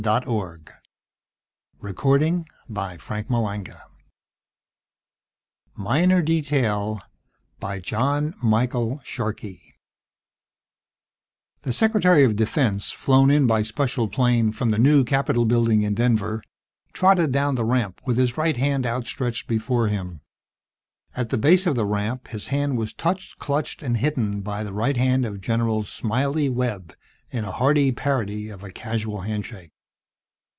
It was a grand scheme, except for one_ MINOR DETAIL By JACK SHARKEY The Secretary of Defense, flown in by special plane from the new Capitol Building in Denver, trotted down the ramp with his right hand outstretched before him. At the base of the ramp his hand was touched, clutched and hidden by the right hand of General "Smiley" Webb in a hearty parody of a casual handshake.